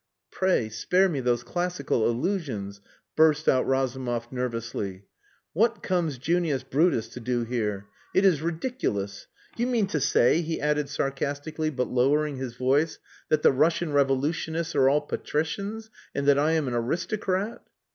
"Pray spare me those classical allusions!" burst out Razumov nervously. "What comes Junius Brutus to do here? It is ridiculous! Do you mean to say," he added sarcastically, but lowering his voice, "that the Russian revolutionists are all patricians and that I am an aristocrat?"